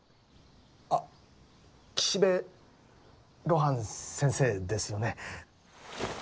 あっ岸辺露伴先生ですよね。